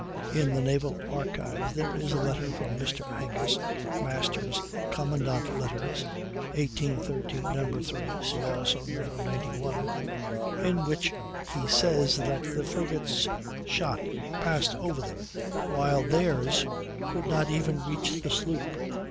In the Naval Archives there is a letter from Mr. Angus ("Masters' Commandant Letters," 1813, No. 3: see also No. 91), in which he says that the frigate's shot passed over them, while theirs could not even reach the sloop.